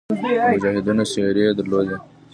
د مجاهدینو څېرې یې درلودې.